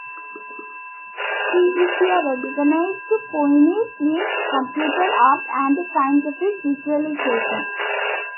She is a recognized pioneer in computer art and scientific visualization.